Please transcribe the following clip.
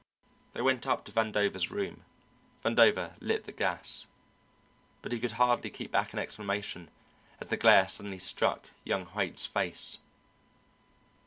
They went up to Vandover's room. Vandover lit the gas, but he could hardly keep back an exclamation as the glare suddenly struck young Haight's face.